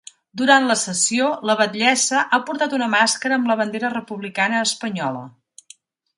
Durant la sessió, la batllessa ha portat una màscara amb la bandera republicana espanyola.